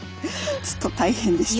ちょっと大変でした。